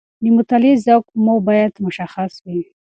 د مطالعې ذوق مو باید مشخص وي.